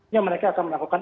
ini mereka akan melakukan